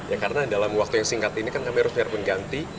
ya karena dalam waktu yang singkat ini kan kami harus biar pengganti